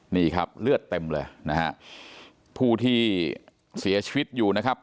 นี่ครับเลือดเต็มเลยนะฮะผู้ที่เสียชีวิตอยู่นะครับ